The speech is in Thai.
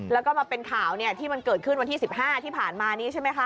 แล้วก็มาเป็นข่าวที่มันเกิดขึ้นวันที่๑๕ที่ผ่านมานี้ใช่ไหมคะ